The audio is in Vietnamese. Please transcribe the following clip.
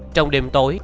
trong đêm tối